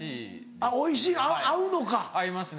あっおいしい合うのか。合いますね